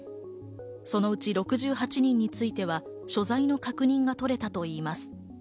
そのうち６８人については所在の確認が取れたといいます。